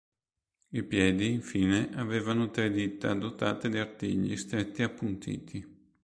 I piedi infine avevano tre dita dotate di artigli stretti e appuntiti.